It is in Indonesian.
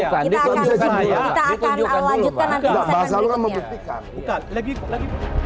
kita akan lanjutkan nanti di segmen berikutnya